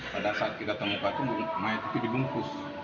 pada saat kita temukan mayat itu dibungkus